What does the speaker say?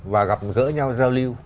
và gặp gỡ nhau giao lưu